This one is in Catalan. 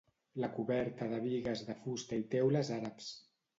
La coberta de bigues de fusta i teules àrabs.